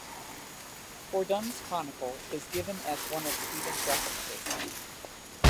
Fordun's "Chronicle" is given as one of Stephens' references.